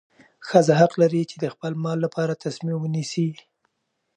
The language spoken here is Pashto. ښځه حق لري چې د خپل مال لپاره تصمیم ونیسي.